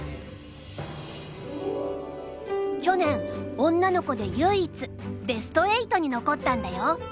去年女の子で唯一ベスト８に残ったんだよ。